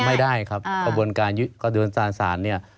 ไม่ได้ครับกระบวนการยึดกระดวนการศาลเนี่ย